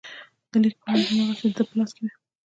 د لیک پاڼې هماغسې د ده په لاس کې وې.